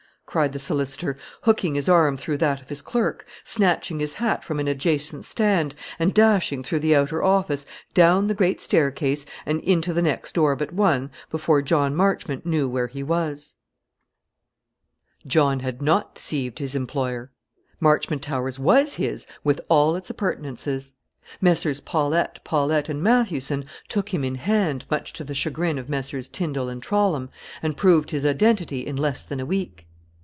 cried the solicitor, hooking his arm through that of his clerk, snatching his hat from an adjacent stand, and dashing through the outer office, down the great staircase, and into the next door but one before John Marchmont knew where he was. John had not deceived his employer. Marchmont Towers was his, with all its appurtenances. Messrs. Paulette, Paulette, and Mathewson took him in hand, much to the chagrin of Messrs. Tindal and Trollam, and proved his identity in less than a week.